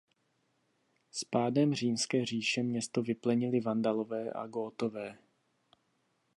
S pádem Římské říše město vyplenili Vandalové a Gótové.